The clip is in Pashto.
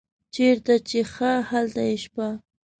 چیرته چې ښه هلته یې شپه.